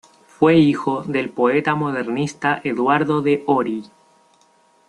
Fue hijo del poeta modernista Eduardo de Ory.